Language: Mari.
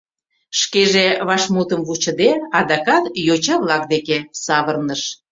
Шкеже, вашмутым вучыде, адакат йоча-влак деке савырныш.